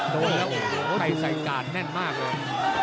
โดยแล้วไก่สายกาลแน่นมากเลย